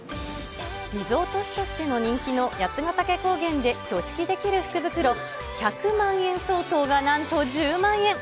リゾート地としても人気の八ヶ岳高原で挙式できる福袋、１００万円相当がなんと１０万円。